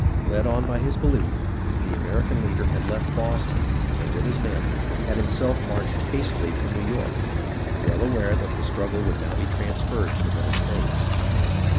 Led on by his belief, the American leader had left Boston, and, with his men, had himself marched hastily for New York, well aware that the struggle would now be transferred to the Middle States.